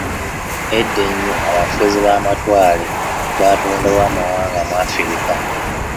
Edda ennyo, abafuzi b'amatwale baatondawo amawanga mu Afirika.